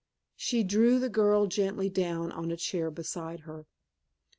She drew the girl gently down on a chair beside her.